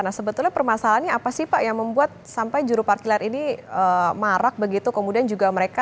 nah sebetulnya permasalahannya apa sih pak yang membuat sampai juru parkir liar ini marak begitu